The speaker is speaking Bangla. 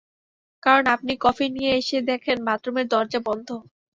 কারণ আপনি কফি নিয়ে এসে দেখেন-বাথরুমের দরজা বন্ধ।